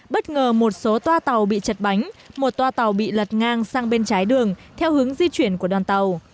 bất ngờ một số toa tàu bị chật bánh một toa tàu bị lật ngang sang bên trái đường theo hướng di chuyển của đoàn tàu